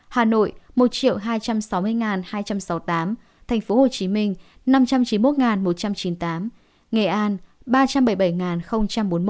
hà nội một hai trăm sáu mươi hai trăm sáu mươi tám tp hcm năm trăm chín mươi một một trăm chín mươi tám nghệ an ba trăm bảy mươi bảy bốn mươi một